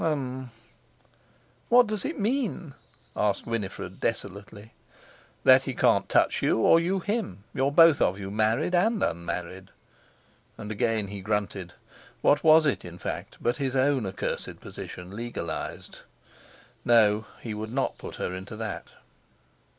Um!" "What does it mean?" asked Winifred desolately. "That he can't touch you, or you him; you're both of you married and unmarried." And again he grunted. What was it, in fact, but his own accursed position, legalised! No, he would not put her into that!